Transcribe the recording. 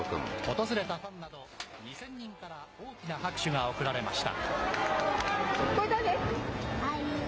訪れたファンなど、２０００人から大きな拍手が送られました。